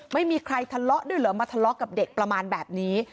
ไม่มีใครทะเลาะด้วยเหรอมาทะเลาะกับเด็กประมาณแบบนี้